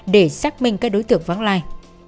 để xác minh các đối tượng vắng lai